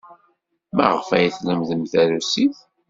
Maɣef ay tlemdem tarusit?